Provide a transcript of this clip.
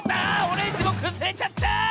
オレンジもくずれちゃった！